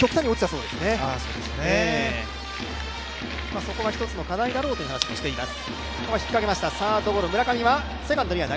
そこは一つの課題だろうという話もしています。